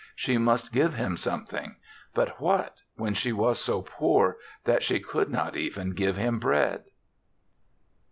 She must give him something; but what, when she was so poor that she could not even give him bread?